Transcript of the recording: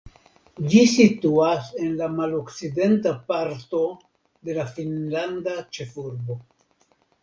Ĝi situas en la malokcidenta parto de la finnlanda ĉefurbo.